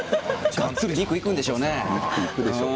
がっつり肉、いくんでしょうね。